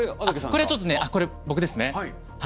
これちょっとこれ僕ですね。